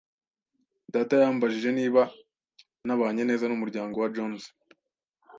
Data yambajije niba nabanye neza n'umuryango wa Jones.